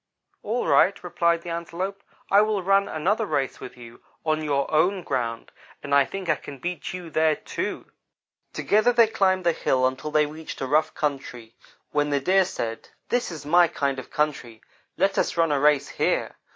"'All right,' replied the Antelope, 'I will run another race with you on your own ground, and I think I can beat you there, too.' "Together they climbed the hill until they reached a rough country, when the Deer said: "'This is my kind of country. Let us run a race here.